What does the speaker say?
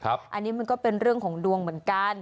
อันนี้มันก็เป็นเรื่องของดวงเหมือนกัน